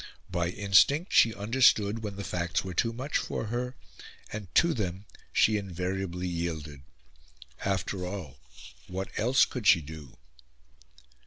By instinct she understood when the facts were too much for her, and to them she invariably yielded. After all, what else could she do?